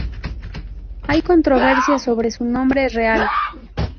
Hay controversia sobre su nombre real.